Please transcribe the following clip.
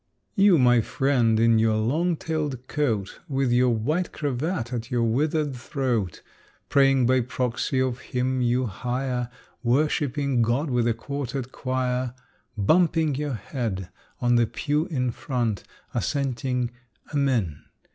You, my friend, in your long tailed coat, With your white cravat at your withered throat, Praying by proxy of him you hire, Worshiping God with a quartet choir, Bumping your head on the pew in front, Assenting "Amen!"